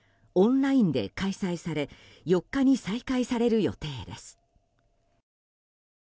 オンラインで開催され４日に再開される予定です。